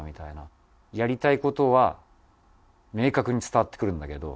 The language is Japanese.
やりたい事は明確に伝わってくるんだけど。